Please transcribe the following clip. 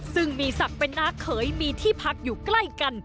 ซึ่งมีศักดิ์เป็นน้าเขยมีที่พักอยู่ใกล้กัน